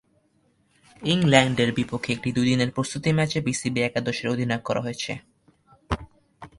ইংল্যান্ডের বিপক্ষে একটি দুই দিনের প্রস্তুতি ম্যাচে বিসিবি একাদশের অধিনায়ক করা হয়েছে।